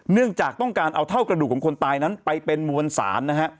เนื่องจากต้องการเอาเท่ากระดูกของคนตายนั้นไปเป็นมวลสารนะฮะ